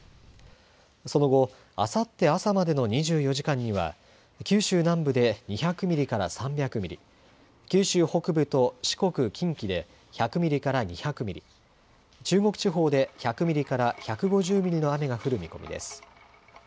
その後、あさって朝までの２４時間には、九州南部で２００ミリから３００ミリ、九州北部と四国、近畿で１００ミリから２００ミリ、中国地方で１００ミリから１５０ミリの雨が降る見込みです。